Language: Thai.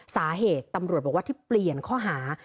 สาเหตุตำรวจบอกว่าที่เปลี่ยนข้อหา